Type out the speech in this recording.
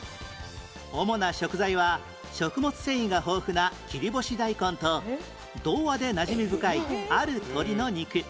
主な食材は食物繊維が豊富な切り干し大根と童話でなじみ深いある鳥の肉